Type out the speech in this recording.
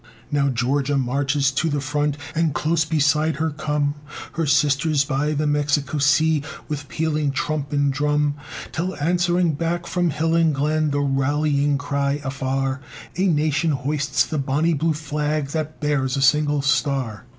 Now Georgia marches to the front, And close beside her come Her sisters by the Mexique Sea, With pealing trump and drum; Till answering back from hill and glen The rallying cry afar, A Nation hoists the Bonnie Blue Flag That bears a single star.